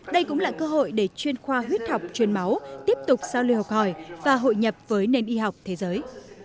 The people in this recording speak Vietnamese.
đây cũng là cơ hội để chuyên khoa huyết học chuyên máu tiếp tục giao lưu học hỏi và hội nhập với nền y học thế giới